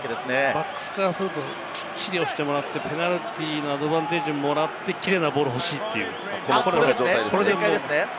バックスからすると、きっちり押してもらって、ペナルティーのアドバンテージをもらってキレイなボールが欲しい、これですね。